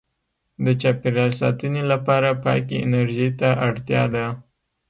• د چاپېریال ساتنې لپاره پاکې انرژۍ ته اړتیا ده.